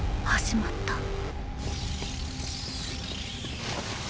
始まった。